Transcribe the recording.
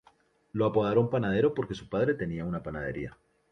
Lo apodaron "Panadero" porque su padre tenía una panadería.